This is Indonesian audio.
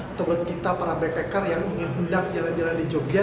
atau buat kita para backpacker yang ingin hendak jalan jalan di jogja